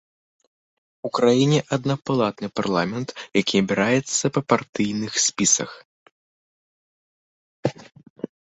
У краіне аднапалатны парламент, які абіраецца па партыйных спісах.